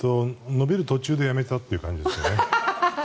伸びる途中でやめたという感じですね。